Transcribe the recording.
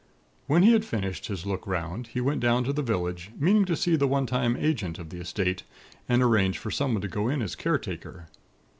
"When he had finished his look 'round, he went down to the village, meaning to see the one time Agent of the Estate, and arrange for someone to go in as caretaker.